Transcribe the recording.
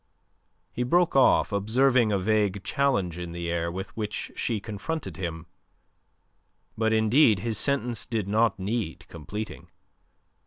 He broke off, observing a vague challenge in the air with which she confronted him. But indeed his sentence did not need completing.